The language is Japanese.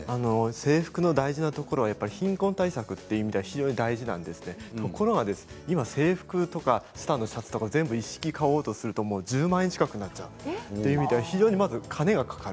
制服の大事なところは貧困対策という意味では非常に大事でところが今、制服とか下のシャツとか一式買おうとすると１０万円近くなるというみたいで非常にお金がかかる。